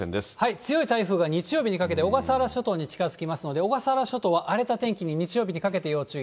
強い台風が日曜日にかけて、小笠原諸島に近づきますので、小笠原諸島は荒れた天気に日曜日にかけて要注意。